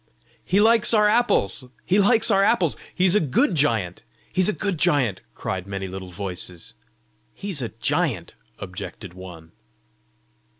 "He likes our apples! He likes our apples! He's a good giant! He's a good giant!" cried many little voices. "He's a giant!" objected one.